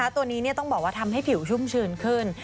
ตัวนี้ต้องบอกว่าทำให้ผิวชุ่มชื้นขึ้น